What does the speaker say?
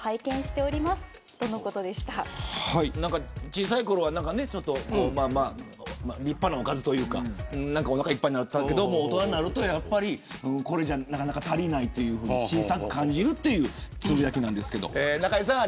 小さいころは立派なおかずというかおなかいっぱいになったけれど大人になるとやっぱりこれじゃ、なかなか足りない小さく感じるというつぶやきなんですけれど中居さん